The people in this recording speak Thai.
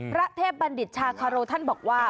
พระเทพบัณฑิตชาคาโรท่านบอกว่า